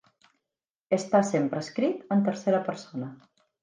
Està sempre escrit en tercera persona.